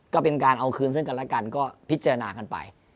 ก็เป็นการเอาคืนซึ่งกันและกันก็พิจารณากันไป